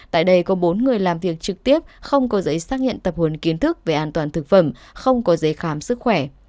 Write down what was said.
tại đây có bốn người làm việc trực tiếp không có giấy xác nhận tập huấn kiến thức về an toàn thực phẩm không có giấy khám sức khỏe